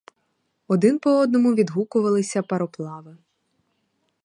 Один по одному відгукувалися пароплави.